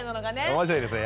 面白いですね